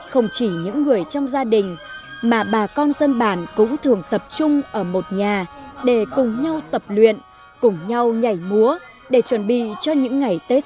không chỉ những người trong gia đình mà bà con dân bản cũng thường tập trung ở một nhà để cùng nhau tập luyện cùng nhau nhảy múa để chuẩn bị cho những ngày tết